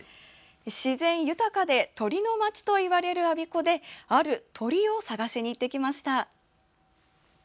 自然豊かで鳥のまちといわれる我孫子である鳥を探しに行ってきました。